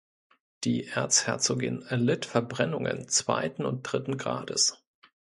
Die Erzherzogin erlitt Verbrennungen zweiten und dritten Grades.